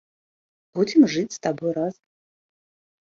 Будзем жыць з табой разам.